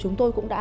chúng tôi cũng đã